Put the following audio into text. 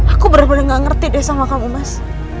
aku berpulih gak ngerti deh sama kamu mas